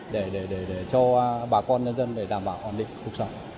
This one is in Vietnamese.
để cho bà con nhân dân đảm bảo hoàn định cuộc sống